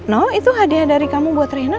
no itu hadiah dari kamu buat rina